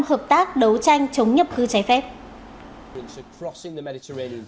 hợp tác đấu tranh chống nhập khứ trái phép